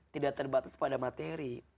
tidak terbatas pada materi